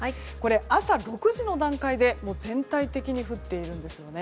朝６時の段階で全体的に降っているんですね。